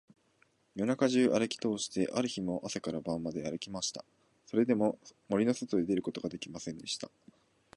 夜中じゅうあるきとおして、あくる日も朝から晩まであるきました。それでも、森のそとに出ることができませんでした。